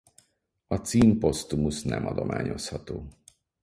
A cím posztumusz nem adományozható.